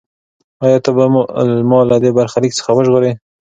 ایا ته به ما له دې برخلیک څخه وژغورې؟